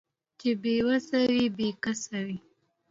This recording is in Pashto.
چې بې وسه وي بې کسه وي